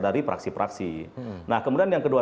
dari fraksi fraksi nah kemudian yang kedua